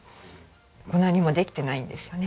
もう何もできてないんですよね。